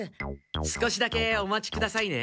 少しだけお待ちくださいね。